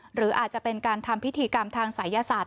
หรืออาจจะเป็นการทำพิธีกรรมทางศัยศาสต